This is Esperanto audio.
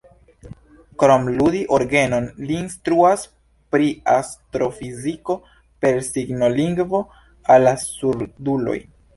Krom ludi orgenon, li instruas pri astrofiziko per signolingvo al la surduloj.